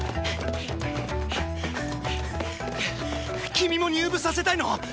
君も入部させたいの！？